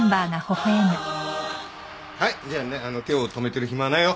はいじゃあねあの手を止めてる暇はないよ。